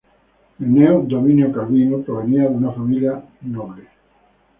Cneo Domicio Calvino provenía de una familia noble.